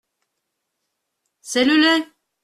C’est le lait !…